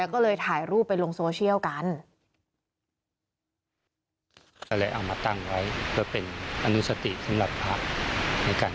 ก็เลยถ่ายรูปไปลงโซเชียลกัน